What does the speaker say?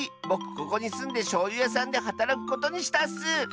ここにすんでしょうゆやさんではたらくことにしたッス！